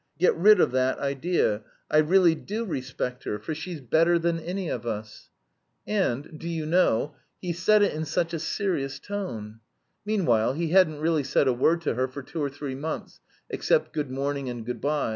Get rid of that idea, I really do respect her, for she's better than any of us.' And, do you know, he said it in such a serious tone. Meanwhile, he hadn't really said a word to her for two or three months, except 'good morning' and 'good bye.'